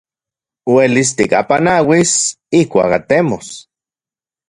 Uelis tikapanauis ijkuak atemos.